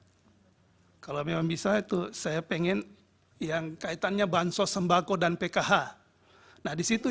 hai kalau memang bisa itu saya pengen yang kaitannya bansos sembako dan pkh nah disitu